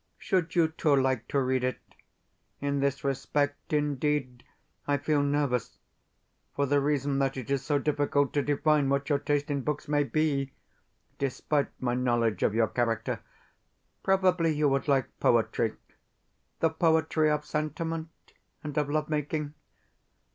Should you too like to read it? In this respect, indeed, I feel nervous, for the reason that it is so difficult to divine what your taste in books may be, despite my knowledge of your character. Probably you would like poetry the poetry of sentiment and of love making?